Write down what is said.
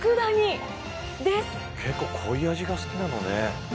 結構こういう味が好きなのね。